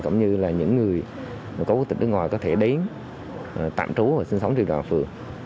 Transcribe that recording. cũng như là những người có quốc tịch nước ngoài có thể đến tạm trú và sinh sống trên địa bàn phường